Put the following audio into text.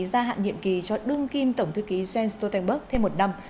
gia hạn nhiệm kỳ cho đương kim tổng thư ký jens stoltenberg thêm một năm